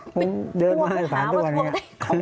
เป็นทวงหาว่าทวงของเรา